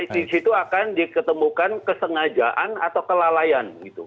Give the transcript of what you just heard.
di situ akan diketemukan kesengajaan atau kelalaian